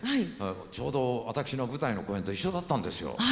ちょうど私の舞台の公演と一緒だったんですよ。